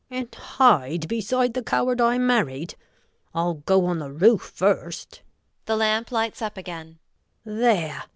And hide beside the coward I married! I'll go on the roof first. [The lamp lights up again]. There!